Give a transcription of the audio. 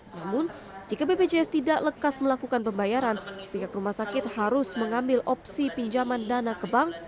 namun jika bpjs tidak lekas melakukan pembayaran pihak rumah sakit harus mengambil opsi pinjaman dana ke bank